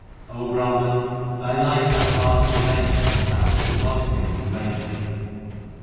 O Brahman, thy life hath passed in vain since thou hast forgotten Him who made thee.